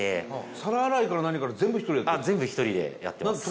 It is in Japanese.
皿洗いから何から全部１人でやってるんですか？